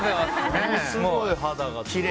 ものすごい肌が。